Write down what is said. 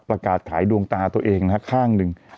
ประกาศขายดวงตาตัวเองนะฮะข้างหนึ่ง